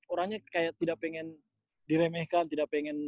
orangnya kayak tidak pengen diremehkan